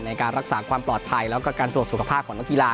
ในการรักษาความปลอดภัยแล้วก็การตรวจสุขภาพของนักกีฬา